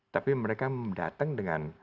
tapi mereka datang dengan